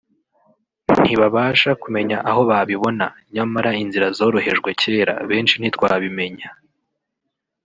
ntibabasha kumenya aho babibona nyamara inzira zorohejwe kera benshi ntitwabimenya